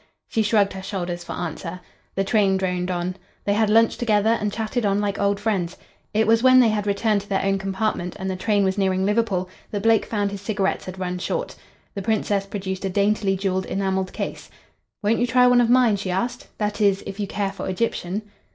She shrugged her shoulders for answer. The train droned on. They had lunch together and chatted on like old friends. It was when they had returned to their own compartment, and the train was nearing Liverpool, that Blake found his cigarettes had run short. The Princess produced a daintily jewelled enamelled case. "Won't you try one of mine?" she asked. "That is, if you care for Egyptian."